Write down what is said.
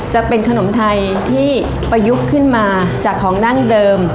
จะเป็นขนมไทยที่ประยุกต์ขึ้นมาจากของดั้งเดิม